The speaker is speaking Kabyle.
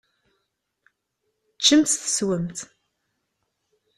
Ččemt teswemt.